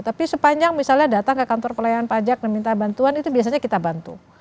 tapi sepanjang misalnya datang ke kantor pelayanan pajak dan minta bantuan itu biasanya kita bantu